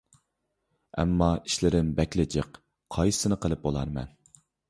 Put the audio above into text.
ئەمما ئىشلىرىم بەكلا جىق. قايسىسىنى قىلىپ بولارمەن؟